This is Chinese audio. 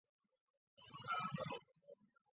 此一诏书是时任参议的橘广相所拟。